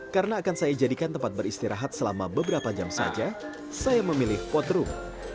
karena akan saya menjadikan tempat beristirahat selama beberapa jam saja saya memilih courtroom